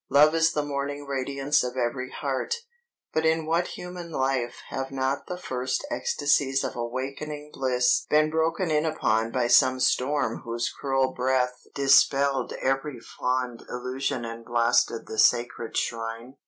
Love is the morning radiance of every heart; but in what human life have not the first ecstasies of awakening bliss been broken in upon by some storm whose cruel breath dispelled every fond illusion and blasted the sacred shrine?